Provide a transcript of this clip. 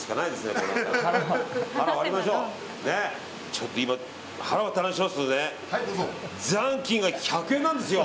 ちょっと今腹割って話しますと残金が１００円なんですよ。